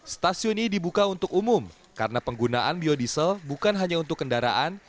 stasiun ini dibuka untuk umum karena penggunaan biodiesel bukan hanya untuk kendaraan